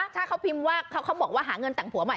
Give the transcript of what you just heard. ถ้าเขาพิมพ์ว่าเขาบอกว่าหาเงินแต่งผัวใหม่